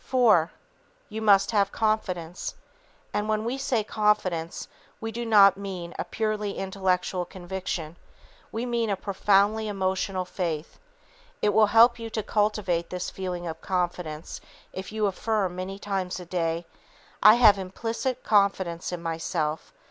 IV. You must have confidence. And when we say confidence we do not mean a purely intellectual conviction. We mean a profoundly emotional faith. It will help you to cultivate this feeling of confidence if you will affirm many times a day, "I have implicit confidence in myself!